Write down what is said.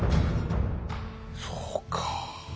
そうか。